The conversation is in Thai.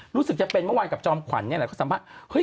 รู้สึกจะเป็นเมื่อวานกับจอมขวัญนี่แหละเขาสัมภาษณ์